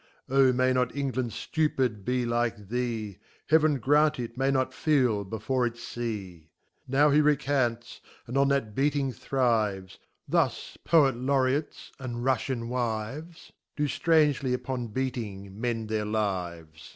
(Ob may not England jlupid be like thee ! Heaven grant it may not feel before H fee.) Now he recants, and on that beating thrives : Thus Poet Lattreats, and Ruffian lVivcs y Do ftrangely upon beating mend their Lives.